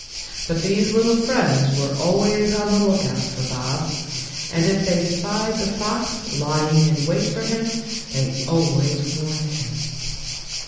But these little friends were always on the lookout for Bob, and if they spied the fox lying in wait for him they always warned him.